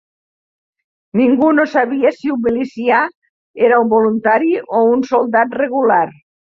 Ningú no sabia si un milicià era un voluntari o un soldat regular